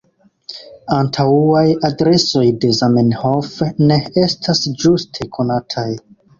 Antaŭaj adresoj de Zamenhof ne estas ĝuste konataj.